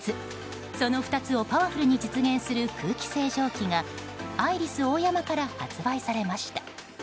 その２つをパワフルに実現する空気清浄機がアイリスオーヤマから発売されました。